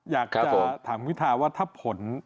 อยากจะถามวิทาว่าถ้าผล